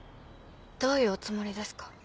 どういうおつもりですか？